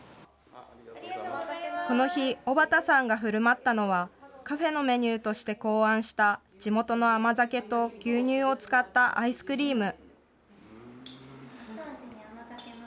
この日、尾畑さんがふるまったのは、カフェのメニューとして考案した、地元の甘酒と牛乳を使ったアイスクリーム。